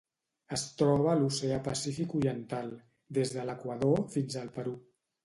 Es troba a l'Oceà Pacífic oriental: des de l'Equador fins al Perú.